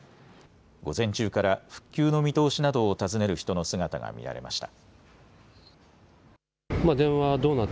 午前中から復旧の見通しなどを尋ねる人の姿が見られました。